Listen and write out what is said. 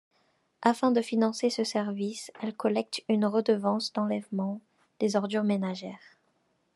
Afin de financer ce service, elle collecte une redevance d'enlèvement des ordures ménagères.